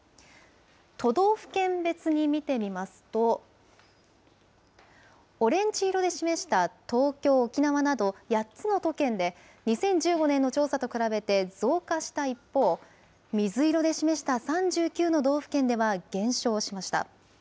都道府県別に見てみますと、オレンジ色で示した東京、沖縄など８つの都県で、２０１５年の調査と比べて増加した一方、水色で示した３９の道府県では減少しました。